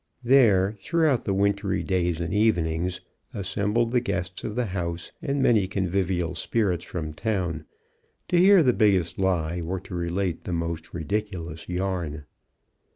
There, throughout the wintry days and evenings, assembled the guests of the house and many convivial spirits from town, to hear the biggest lie, or to relate the most ridiculous yarn.